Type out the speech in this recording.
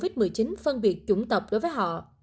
những người đàn ông da trắng đã được phân biệt chủng tộc đối với họ